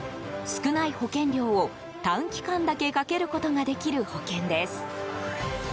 少ない保険料を短期間だけかけることができる保険です。